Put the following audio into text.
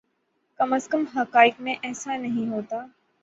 کم از کم حقائق میں ایسا نہیں ہوتا۔